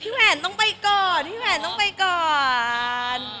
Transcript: พี่แหวนต้องไปก่อนต้องไปก่อน